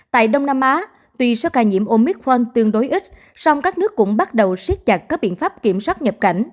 tại đông nam á tùy số ca nhiễm omicron tương đối ít song các nước cũng bắt đầu siết chặt các biện pháp kiểm soát nhập cảnh